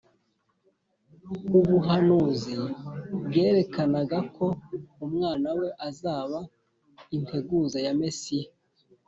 , ubuhanuzi bwerekanaga ko umwana we azaba integuza ya Mesiya.